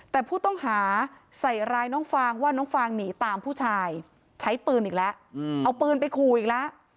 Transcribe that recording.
แต่ผู้ต้องหาใส่ร้ายน้องฟางว่าน้องฟางหนีตามผู้ชายใช้ปืนอีกแล้วเอาปืนไปขู่อีกแล้ว